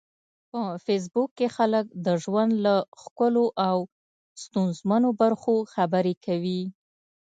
په فېسبوک کې خلک د ژوند له ښکلو او ستونزمنو برخو خبرې کوي